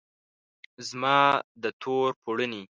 زما د تور پوړنې